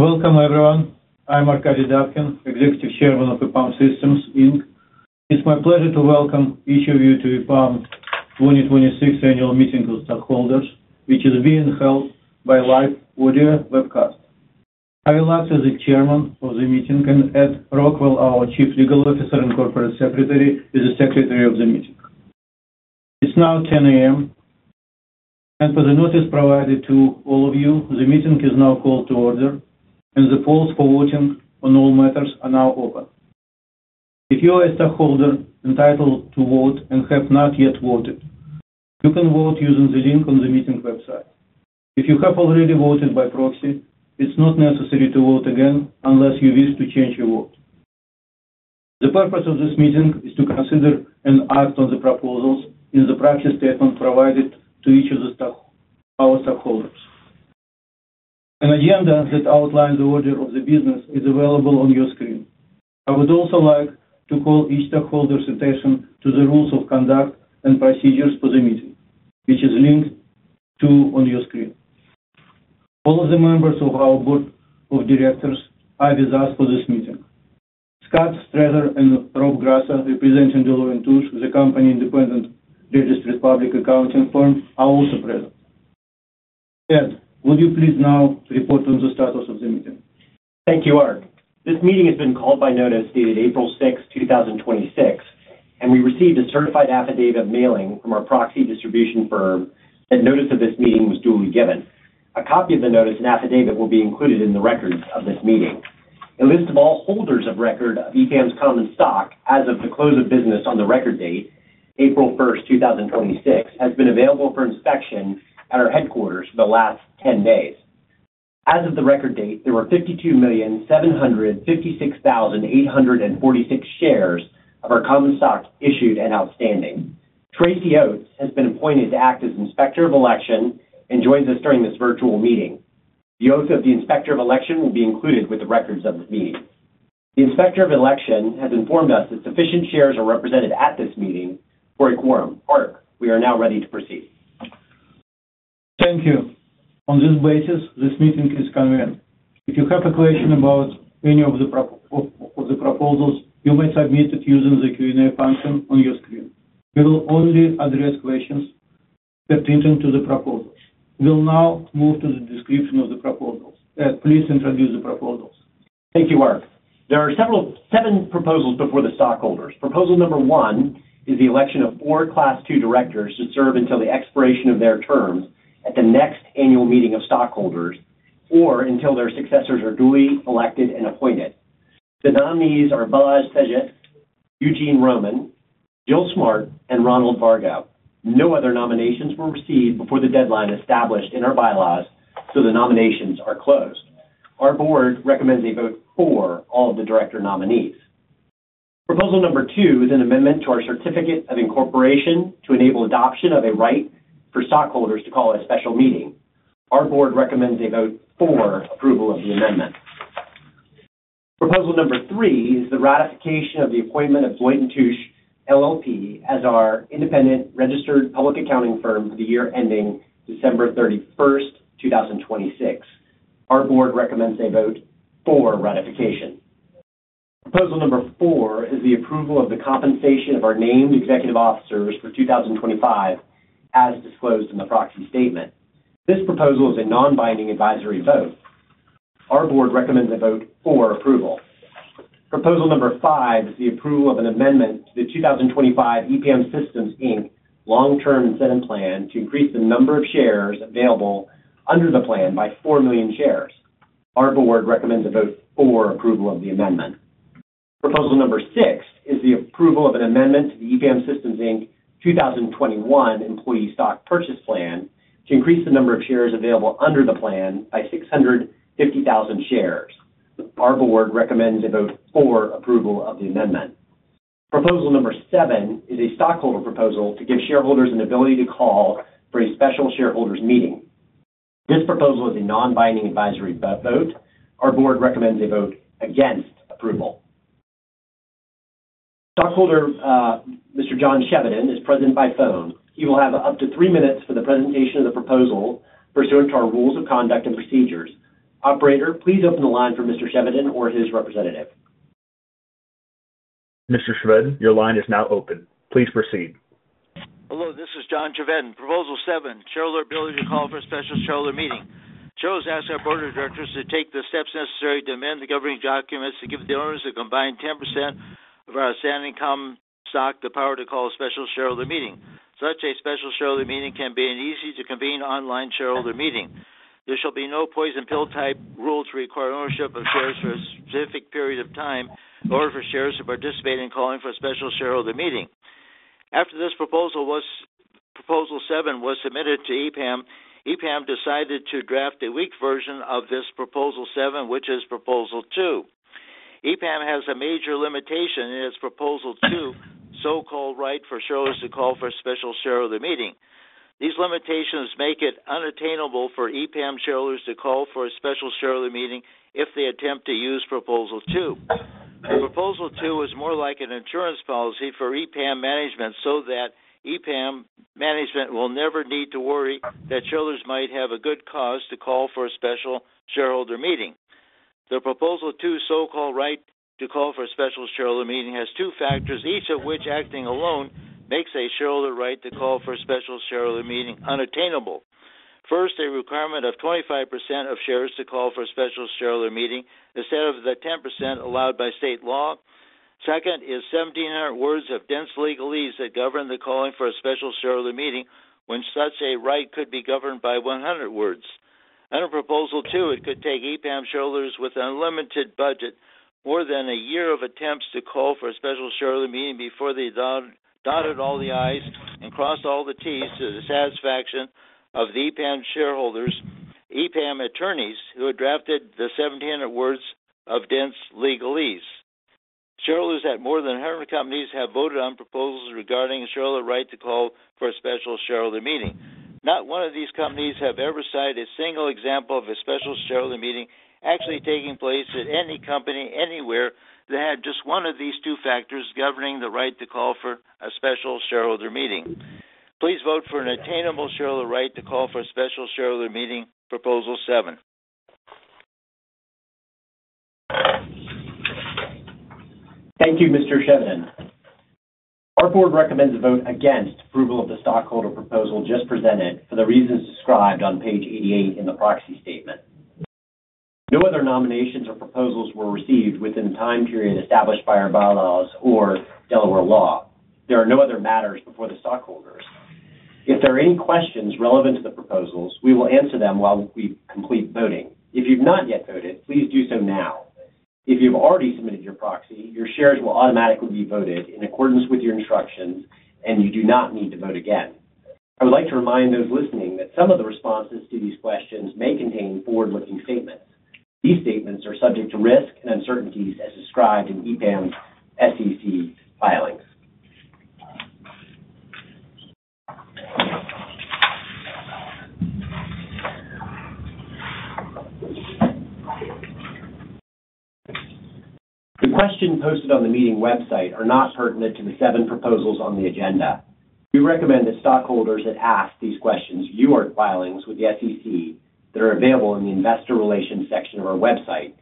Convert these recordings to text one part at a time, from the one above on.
Welcome, everyone. I'm Arkadiy Dobkin, Executive Chairman of EPAM Systems, Inc. It's my pleasure to welcome each of you to EPAM 2026 Annual Meeting of Stockholders, which is being held by live audio webcast. I will act as the Chairman of the meeting, and Ed Rockwell, our Chief Legal Officer and Corporate Secretary, is the Secretary of the meeting. It's now 10:00 A.M., and per the notice provided to all of you, the meeting is now called to order, and the polls for voting on all matters are now open. If you are a stockholder entitled to vote and have not yet voted, you can vote using the link on the meeting website. If you have already voted by proxy, it's not necessary to vote again unless you wish to change your vote. The purpose of this meeting is to consider and act on the proposals in the proxy statement provided to each of our stockholders. An agenda that outlines the order of the business is available on your screen. I would also like to call each stockholder's attention to the rules of conduct and procedures for the meeting, which is linked to on your screen. All of the members Board of Directors are with us for this meeting. Scott Strother and Rob Grasso, representing Deloitte & Touche, the company independent registered public accounting firm, are also present. Ed, would you please now report on the status of the meeting? Thank you, Ark. This meeting has been called by notice dated April 6th, 2026, and we received a certified affidavit of mailing from our proxy distribution firm that notice of this meeting was duly given. A copy of the notice and affidavit will be included in the records of this meeting. A list of all holders of record of EPAM's common stock as of the close of business on the record date, April 1st, 2026, has been available for inspection at our headquarters for the last 10 days. As of the record date, there were 52,756,846 shares of our common stock issued and outstanding. Tracy Oats has been appointed to act as Inspector of Election and joins us during this virtual meeting. The oath of the Inspector of Election will be included with the records of this meeting. The Inspector of Election has informed us that sufficient shares are represented at this meeting for a quorum. Ark, we are now ready to proceed. Thank you. On this basis, this meeting is convened. If you have a question about any of the proposals, you may submit it using the Q&A function on your screen. We will only address questions pertaining to the proposals. We'll now move to the description of the proposals. Ed, please introduce the proposals. Thank you, Ark. There are seven proposals before the stockholders. Proposal number one is the election of four Class II Directors to serve until the expiration of their terms at the next annual meeting of stockholders, or until their successors are duly elected and appointed. The nominees are Balazs Fejes, Eugene Roman, Jill Smart, and Ronald Vargo. No other nominations were received before the deadline established in our bylaws, so the nominations are closed. Our Board recommends a vote for all of the Director nominees. Proposal number two is an amendment to our Certificate of Incorporation to enable adoption of a right for stockholders to call a special meeting. Our Board recommends a vote for approval of the amendment. Proposal number three is the ratification of the appointment of Deloitte & Touche LLP as our independent registered public accounting firm for the year ending December 31st, 2026. Our Board recommends a vote for ratification. Proposal number four is the approval of the compensation of our named executive officers for 2025 as disclosed in the proxy statement. This proposal is a non-binding advisory vote. Our Board recommends a vote for approval. Proposal number five is the approval of an amendment to the 2025 EPAM Systems, Inc Long Term Incentive Plan to increase the number of shares available under the plan by 4 million shares. Our Board recommends a vote for approval of the amendment. Proposal number six is the approval of an amendment to the EPAM Systems, Inc 2021 Employee Stock Purchase Plan to increase the number of shares available under the plan by 650,000 shares. Our Board recommends a vote for approval of the amendment. Proposal number seven is a stockholder proposal to give shareholders an ability to call for a special shareholders meeting. This proposal is a non-binding advisory vote. Our Board recommends a vote against approval. Stockholder, Mr. John Chevedden, is present by phone. He will have up to three minutes for the presentation of the proposal pursuant to our rules of conduct and procedures. Operator, please open the line for Mr. Chevedden or his representative. Mr. Chevedden, your line is now open. Please proceed. Hello, this is John Chevedden. Proposal seven, shareholder ability to call for a special shareholder meeting. Shows as Board of Directors to take the steps necessary to amend the governing documents to give the owners a combined 10% of our outstanding common stock the power to call a special shareholder meeting. Such a special shareholder meeting can be an easy-to-convene online shareholder meeting. There shall be no poison pill-type rule to require ownership of shares for a specific period of time or for shares to participate in calling for a special shareholder meeting. After this proposal seven was submitted to EPAM decided to draft a weak version of this proposal seven, which is proposal two. EPAM has a major limitation in its proposal to, so-called right for shareholders to call for a special shareholder meeting. These limitations make it unattainable for EPAM shareholders to call for a special shareholder meeting if they attempt to use proposal two. Proposal two is more like an insurance policy for EPAM management so that EPAM management will never need to worry that shareholders might have a good cause to call for a special shareholder meeting. The proposal two so-called right to call for a special shareholder meeting has two factors, each of which acting alone makes a shareholder right to call for a special shareholder meeting unattainable. First, a requirement of 25% of shares to call for a special shareholder meeting instead of the 10% allowed by state law. Second is 1,700 words of dense legalese that govern the calling for a special shareholder meeting, when such a right could be governed by 100 words. Under proposal two, it could take EPAM shareholders with unlimited budget more than a year of attempts to call for a special shareholder meeting before they dotted all the I's and crossed all the T's to the satisfaction of the EPAM shareholders, EPAM attorneys who had drafted the 1,700 words of dense legalese. Shareholders at more than 100 companies have voted on proposals regarding shareholder right to call for a special shareholder meeting. Not one of these companies have ever cited a single example of a special shareholder meeting actually taking place at any company, anywhere, that had just one of these two factors governing the right to call for a special shareholder meeting. Please vote for an attainable shareholder right to call for a special shareholder meeting, proposal seven. Thank you, Mr. Chevedden. Our Board recommends a vote against approval of the stockholder proposal just presented for the reasons described on page 88 in the proxy statement. No other nominations or proposals were received within the time period established by our bylaws or Delaware law. There are no other matters before the stockholders. If there are any questions relevant to the proposals, we will answer them while we complete voting. If you've not yet voted, please do so now. If you've already submitted your proxy, your shares will automatically be voted in accordance with your instructions, and you do not need to vote again. I would like to remind those listening that some of the responses to these questions may contain forward-looking statements. These statements are subject to risk and uncertainties as described in EPAM's SEC filings. The questions posted on the meeting website are not pertinent to the seven proposals on the agenda. We recommend that stockholders that ask these questions view our filings with the SEC that are available in the investor relations section of our website,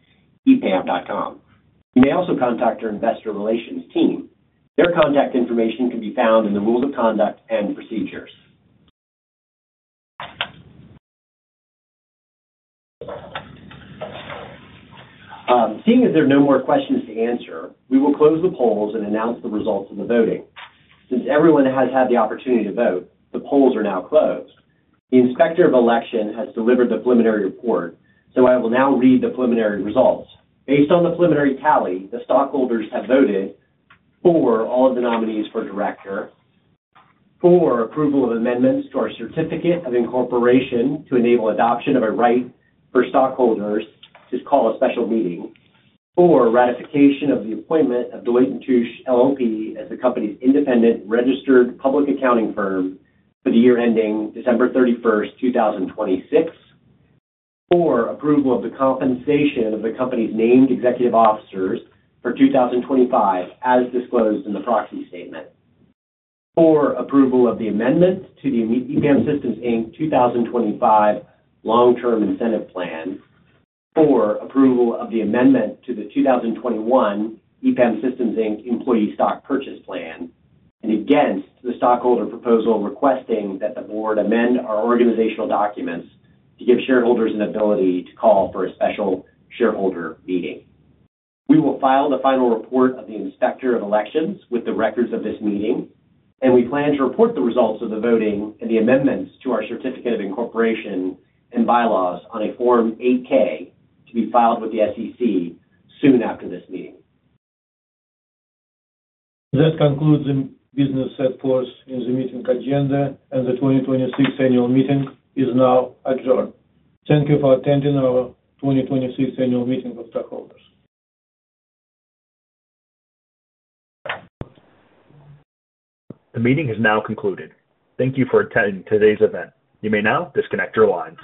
epam.com. You may also contact our Investor Relations team. Their contact information can be found in the rules of conduct and procedures. Seeing as there are no more questions to answer, we will close the polls and announce the results of the voting. Since everyone has had the opportunity to vote, the polls are now closed. The Inspector of Election has delivered the preliminary report, so I will now read the preliminary results. Based on the preliminary tally, the stockholders have voted for all of the nominees for Director, for approval of amendments to our Certificate of Incorporation to enable adoption of a right for stockholders to call a special meeting, for ratification of the appointment of Deloitte & Touche LLP as the company's independent registered public accounting firm for the year ending December 31st, 2026, for approval of the compensation of the company's named executive officers for 2025 as disclosed in the proxy statement, for approval of the amendment to the EPAM Systems, Inc 2025 Long Term Incentive Plan, for approval of the amendment to the 2021 EPAM Systems, Inc Employee Stock Purchase Plan, and against the stockholder proposal requesting that the Board amend our organizational documents to give shareholders an ability to call for a special shareholder meeting. We will file the final report of the Inspector of Elections with the records of this meeting, and we plan to report the results of the voting and the amendments to our Certificate of Incorporation and bylaws on a Form 8-K to be filed with the SEC soon after this meeting. That concludes the business set forth in the meeting agenda, and the 2026 annual meeting is now adjourned. Thank you for attending our 2026 annual meeting of stockholders. The meeting is now concluded. Thank you for attending today's event. You may now disconnect your lines.